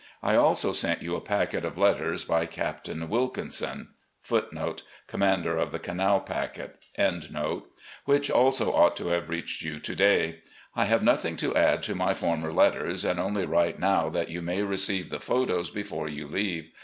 I also sent you a packet of letters by Captain Wilkinson,* which also ought to have reached you to day. I have nothing to add to my former letters, and only write now that you may receive the photos before you leave.